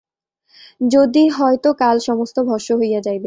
যদি হয় তো কাল সমস্ত ভস্ম হইয়া যাইবে।